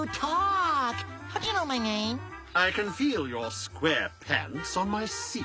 はい。